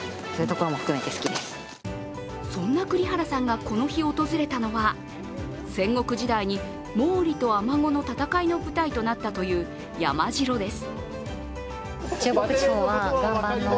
そんな栗原さんがこの日訪れたのは、戦国時代に毛利と尼子の戦いの舞台となったという山城です。